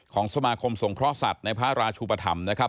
ของสมาคมสงเคราะห์สัตว์ในพระราชุปธรรมนะครับ